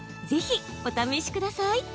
是非お試しください。